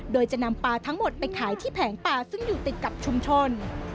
โดยจะนำปลาทั้งหมดไปขายที่แผงปลาซึ่งอยู่ติดกับชุมชน